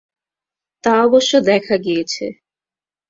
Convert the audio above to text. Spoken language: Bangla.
তা অবশ্য দেখা গিয়েছে।